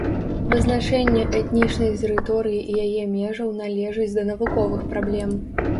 Вызначэнне этнічнай тэрыторыі і яе межаў належыць да навуковых праблем.